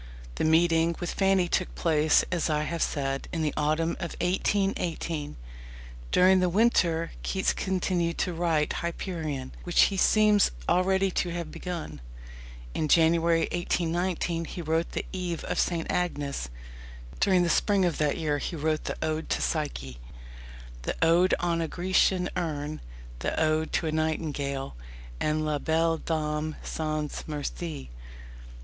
The meeting with Fanny took place, as I have said, in the autumn of 1818. During the winter Keats continued to write Hyperion, which he seems already to have begun. In January 1819 he wrote The Eve of St. Agnes. During the spring of that year, he wrote the Ode to Psyche, the Ode on a Grecian Urn, the Ode to a Nightingale, and La Belle Dame sans Merci.